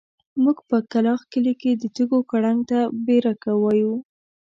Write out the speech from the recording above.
موږ په کلاخ کلي کې د تيږو کړنګ ته بېرکه وايو.